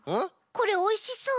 これおいしそう。